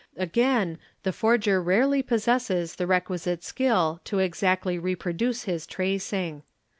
Again, the forger rarely possesses the requisite skill 1 exactly reproduce his tracing.